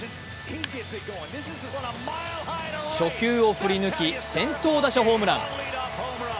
初球を振り抜き、先頭打者ホームラン。